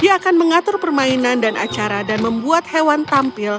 dia akan mengatur permainan dan acara dan membuat hewan tampil